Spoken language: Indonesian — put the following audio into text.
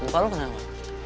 lupa lo kenapa